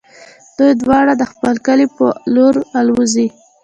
دوی دواړه د خپل کلي په لور الوزي.